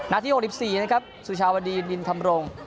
ที่๖๔นะครับสุชาวดีนินธรรมรงค์